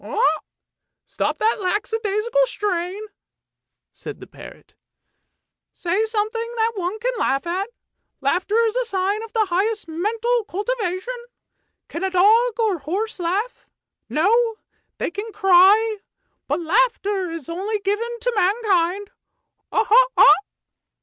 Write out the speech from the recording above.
"" Oh, stop that lackadaisical strain! " said the parrot. " Say THE GOLOSHES OF FORTUNE 329 something that one can laugh at. Laughter is a sign of the highest mental cultivation. Can a dog or a horse laugh? No, they can cry, but laughter is only given to mankind. Ho ! ho